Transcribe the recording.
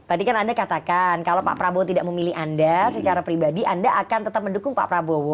tadi kan anda katakan kalau pak prabowo tidak memilih anda secara pribadi anda akan tetap mendukung pak prabowo